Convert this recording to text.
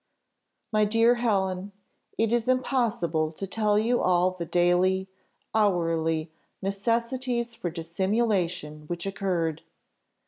"My dear Helen, it is impossible to tell you all the daily, hourly necessities for dissimulation which occurred.